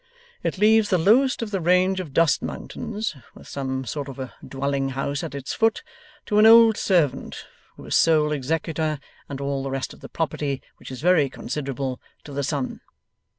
It leaves the lowest of the range of dust mountains, with some sort of a dwelling house at its foot, to an old servant who is sole executor, and all the rest of the property which is very considerable to the son.